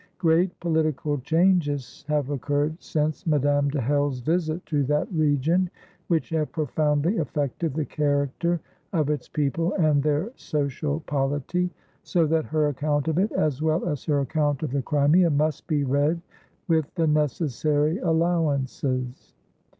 Great political changes have occurred since Madame de Hell's visit to that region, which have profoundly affected the character of its people and their social polity; so that her account of it, as well as her account of the Crimea, must be read with the necessary allowances.